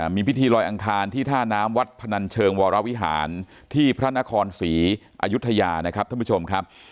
มีพิธีลอยอังคารที่ท่าน้ำวัดพนันเชิงวรวิหารที่พระนครศรีอายุทยานะครับท่านผู้ชมครับ